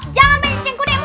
jangan main cengkunikmu